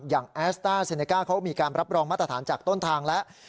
แอสต้าเซเนก้าเขามีการรับรองมาตรฐานจากต้นทางแล้ว